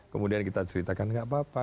kemudian kita ceritakan nggak apa apa